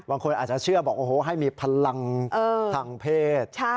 บางคนอาจเชื่อบอกให้มีพลังข่างเพศ